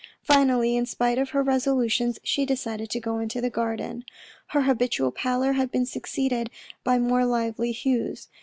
Finally, in spite of her resolutions, she decided to go into the garden. Her habitual pallor had been succeeded by more lively hues.